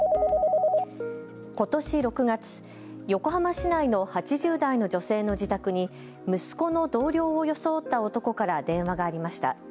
ことし６月、横浜市内の８０代の女性の自宅に息子の同僚を装った男から電話がありました。